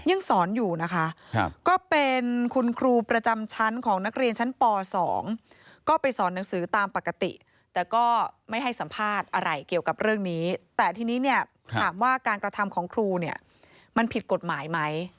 ยังสอนอยู่นะคะก็เป็นคุณครูประจำชั้นของนักเรียนชั้นป๒ก็ไปสอนหนังสือตามปกติแต่ก็ไม่ให้สัมภาษณ์อะไรเกี่ยวกับเรื่องนี้แต่ทีนี้เนี่ยถามว่าการกระทำของครูเนี่ยมันผิดกฎหมายไหม